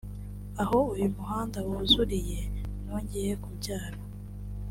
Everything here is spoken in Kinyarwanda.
Aho uyu muhanda wuzuriye nongeye kubyara